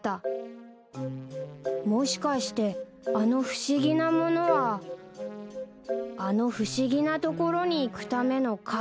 もしかしてあの不思議なものはあの不思議な所に行くための鍵だったのかもしれない